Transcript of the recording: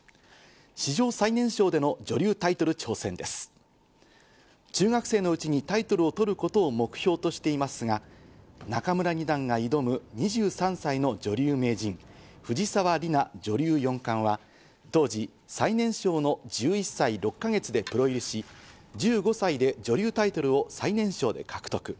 史上最年少での女流タイトル挑戦です。中学生のうちにタイトルを取ることを目標としていますが、仲邑二段が挑む２３歳の女流名人・藤沢里菜女流四冠は、当時、最年少の１１歳６か月でプロ入りし、１５歳で女流タイトルを最年少で獲得。